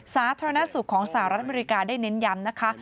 สาธารณสุขของสหรัฐอเมริกาได้เน้นย้ำนะคะ